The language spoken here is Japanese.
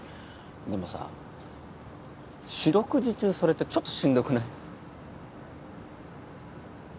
でもさ四六時中それってちょっとしんどくない？